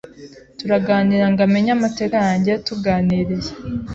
turaganira ngo amenye amateka yanjye tuganiriye